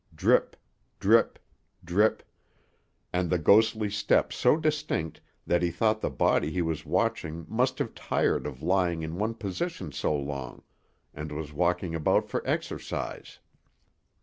Drip; drip; drip; and the ghostly step so distinct that he thought the body he was watching must have tired of lying in one position so long, and was walking about for exercise.